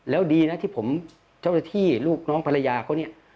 แล้วดีนะที่ผมเจ้าหน้าที่ลูกน้องภรรยาเขาเนี่ย